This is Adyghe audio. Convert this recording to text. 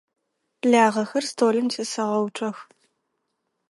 Лагъэхэр столым тесэгъэуцох.